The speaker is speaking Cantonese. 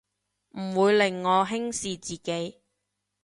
唔會令我輕視自己